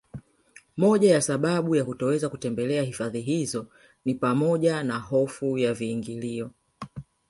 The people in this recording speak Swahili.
Moja ya sababu ya kutoweza kutembelea hifadhi hizo ni pamoja na hofu ya viingilio